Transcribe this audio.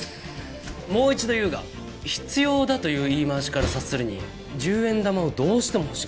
もう一度言うが「必要だ」という言い回しから察するに１０円玉をどうしても欲しがっていた。